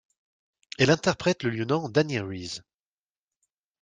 Elle interprète le lieutenant Dani Reese.